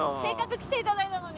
来ていただいたのに。